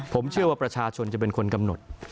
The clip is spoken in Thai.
ผมเชื่อว่าประชาชนจะเป็นคนกำหนด